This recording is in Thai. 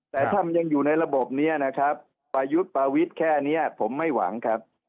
แต่ถ้ามันยังอยู่ในระบบนี้นะครับประยุทธ์ประวิทย์แค่นี้ผมไม่หวังครับ